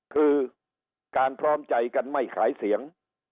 คือการพร้อมใจกันไม่ขายเสียง